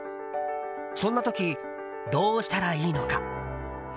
そんな時、どうしたらいいのか？